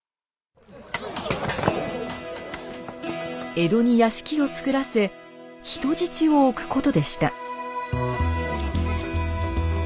江戸に屋敷を造らせ人質を置くことでした。